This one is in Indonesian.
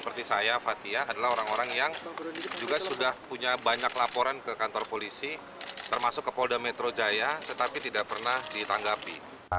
seperti saya fathia adalah orang orang yang juga sudah punya banyak laporan ke kantor polisi termasuk ke polda metro jaya tetapi tidak pernah ditanggapi